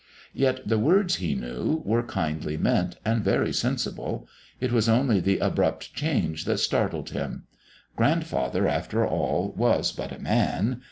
Yet the words, he knew, were kindly meant, and very sensible. It was only the abrupt change that startled him. Grandfather, after all, was but a man!